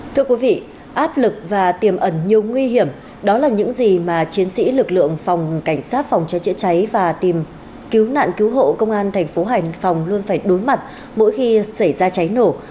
thưa quý vị áp lực và tiềm ẩn nhiều nguy hiểm đó là những gì mà chiến sĩ lực lượng phòng cảnh sát phòng cháy chữa cháy và tìm kiếm cứu nạn cứu hộ công an thành phố hải phòng luôn phải đối mặt mỗi khi xảy ra cháy nổ